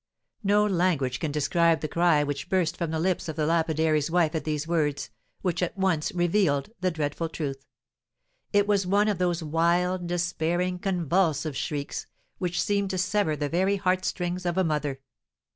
No language can describe the cry which burst from the lips of the lapidary's wife at these words, which at once revealed the dreadful truth; it was one of those wild, despairing, convulsive shrieks, which seem to sever the very heart strings of a mother.